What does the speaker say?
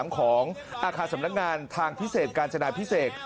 ของอาคารสำนักงานทางพิเศษกาญจนาพิเศษ